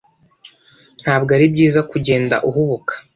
Nta bwo ari byiza kugenda uhubuka